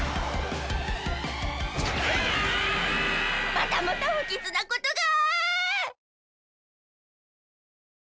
またまたふきつなことが！